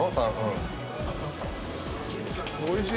・おいしい？